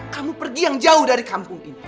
kamu pergi yang jauh dari kampung ini